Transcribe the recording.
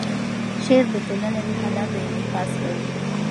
شعر د ټولنې د حالاتو انعکاس کوي.